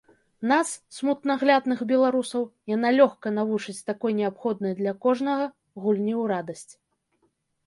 Нас, смутнаглядных беларусаў, яна лёгка навучыць такой неабходнай для кожнага гульні ў радасць.